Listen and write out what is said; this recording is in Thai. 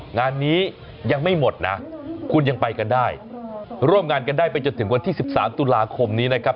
งานนี้ยังไม่หมดนะคุณยังไปกันได้ร่วมงานกันได้ไปจนถึงวันที่๑๓ตุลาคมนี้นะครับ